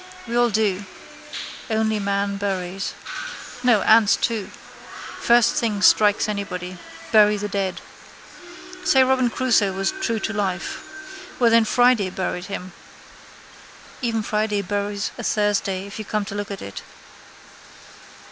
We all do. Only man buries. No, ants too. First thing strikes anybody. Bury the dead. Say Robinson Crusoe was true to life. Well then Friday buried him. Every Friday buries a Thursday if you come to look at it.